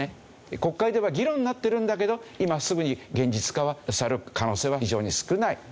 国会では議論になってるんだけど今すぐに現実化される可能性は非常に少ないという事ですね。